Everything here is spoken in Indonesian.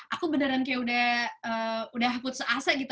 aku beneran kayak udah putus asa gitu